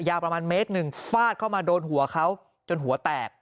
ยาวประมาณเมตรหนึ่งฟาดเข้ามาโดนหัวเขาจนหัวแตก